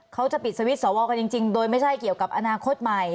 เขาจะปิดสวิตช์สวกันจริงโดยไม่ใช่เกี่ยวกับอนาคตใหม่